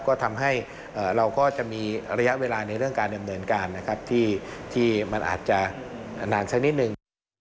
ก็ทำให้เราก็จะมีระยะเวลาในเรื่องการดำเนินการนะครับที่มันอาจจะนานสักนิดนึง